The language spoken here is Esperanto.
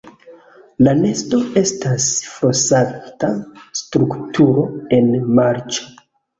La nesto estas flosanta strukturo en marĉo.